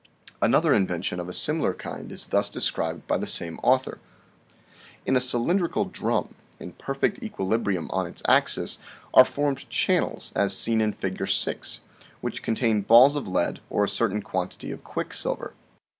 Another invention of a similar kind is thus described by the same author :" In a cylindric drum, in perfect equilibrium on its axis, are formed channels as seen in Fig. 6, which contain balls of lead or a certain quantity of quicksilver.